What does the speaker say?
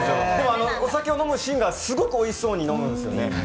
お酒を飲むシーンがすごくおいしそうに飲むんですよね。